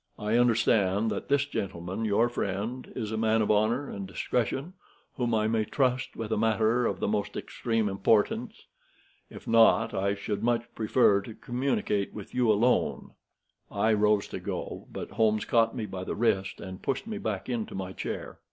I understand that this gentleman, your friend, is a man of honor and discretion, whom I may trust with a matter of the most extreme importance. If not, I should much prefer to communicate with you alone." I rose to go, but Holmes caught me by the wrist and pushed me back into my chair.